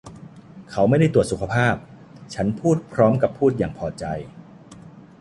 'เขาไม่ได้ตรวจสุขภาพ' ฉันพูดพร้อมกับพูดอย่างพอใจ